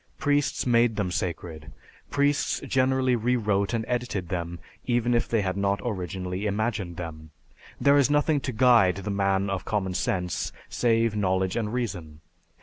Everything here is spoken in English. Priests made them sacred. Priests generally rewrote and edited them, even if they had not originally imagined them. There is nothing to guide the man of common sense save knowledge and reason.